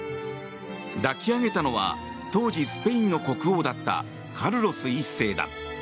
抱き上げたのは、当時スペインの国王だったカルロス１世だ。